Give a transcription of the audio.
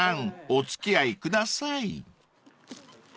お付き合いください］